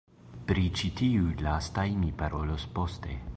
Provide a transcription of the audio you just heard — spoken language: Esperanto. Pri ĉi tiuj lastaj mi parolos poste.